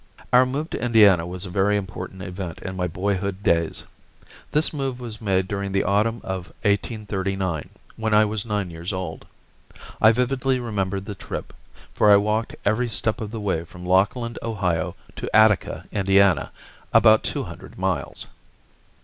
Our move to Indiana was a very important event in my boyhood days. This move was made during the autumn of 1839, when I was nine years old. I vividly remember the trip, for I walked every step of the way from Lockland, Ohio, to Attica, Indiana, about two hundred miles.